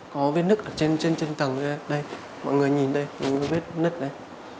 có vết nứt ở trên trên trên tầng đây mọi người nhìn đây có vết nứt đấy